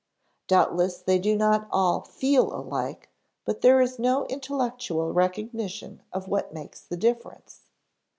Doubtless they do not all feel alike, but there is no intellectual recognition of what makes the difference.